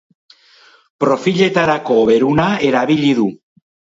Profiletarako beruna erabili du.